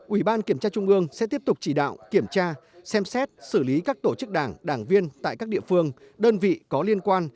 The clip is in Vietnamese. ủy ban kiểm tra trung ương sẽ tiếp tục chỉ đạo kiểm tra xem xét xử lý các tổ chức đảng đảng viên tại các địa phương đơn vị có liên quan